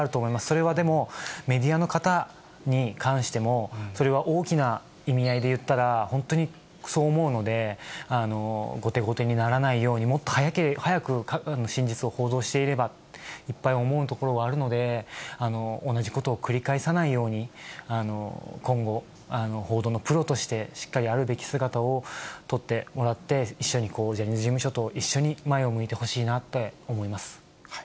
それはでも、メディアの方に関しても、それは大きな意味合いで言ったら、本当にそう思うので、後手後手にならないように、もっと早く真実を報道していれば、いっぱい思うところはあるので、同じことを繰り返さないように、今後、報道のプロとしてしっかりあるべき姿を取ってもらって、一緒に、ジャニーズ事務所と一緒に前に向いてほしいなって思います。